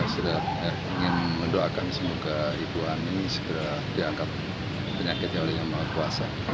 saya ingin mendoakan semoga ibu ani segera diangkat penyakitnya oleh yang maha kuasa